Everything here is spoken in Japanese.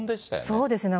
そうですね。